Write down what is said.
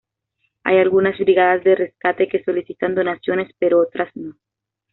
Hay algunas brigadas de rescate que solicitan donaciones, pero otras no.